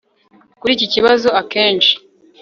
kuri iki kibazo akenshi